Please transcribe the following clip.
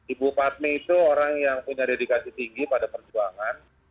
ibu padmi itu orang yang punya dedikasi tinggi pada perjuangan